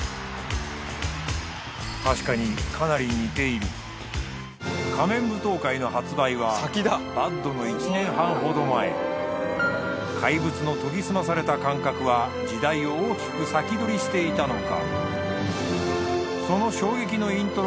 確かに『仮面舞踏会』の発売は『ＢＡＤ』の１年半ほど前怪物の研ぎ澄まされた感覚は時代を大きく先取りしていたのか？